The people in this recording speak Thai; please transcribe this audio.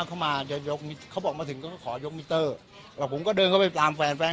เขามายกเขาบอกมาถึงเขาก็ขอยกมิเตอร์แล้วผมก็เดินเข้าไปตามแฟนแฟน